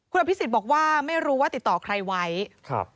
คุณอภิษฎบอกว่าไม่รู้ว่าติดต่อใครไว้ครับ